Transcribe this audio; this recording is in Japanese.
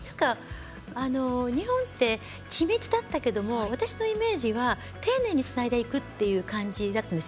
日本って緻密だったけども私のイメージは丁寧につないでいくという感じだったんです。